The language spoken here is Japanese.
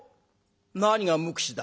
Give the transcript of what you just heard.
何が無口だ？